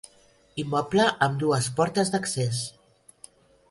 Immoble amb dues portes d'accés.